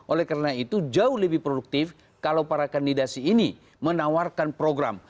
oleh karena itu jauh lebih produktif kalau para kandidasi ini menawarkan program